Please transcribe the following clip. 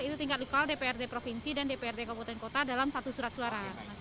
itu tingkat lokal dprd provinsi dan dprd kabupaten kota dalam satu surat suara